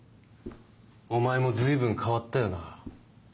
お前も随分変わったよな。